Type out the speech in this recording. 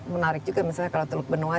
menarik juga kalau tuluk benoa